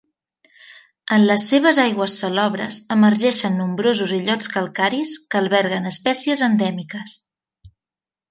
En les seves aigües salobres emergeixen nombrosos illots calcaris que alberguen espècies endèmiques.